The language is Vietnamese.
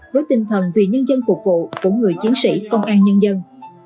với tinh thần vì nhân dân phục vụ của người chiến sĩ công an nhân dân